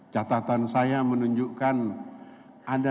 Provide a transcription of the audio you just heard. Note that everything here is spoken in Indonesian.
catatan saya menunjukkan ada lima belas